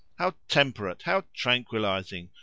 How temperate, how tranquillising!